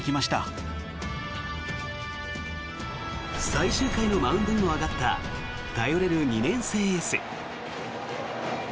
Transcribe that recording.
最終回のマウンドにも上がった頼れる２年生エース。